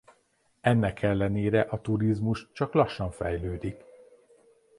Ennek ellenére a turizmus csak lassan fejlődik.